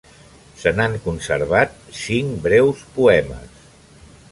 Se n'han conservat cinc breus poemes.